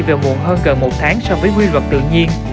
về muộn hơn gần một tháng so với quy luật tự nhiên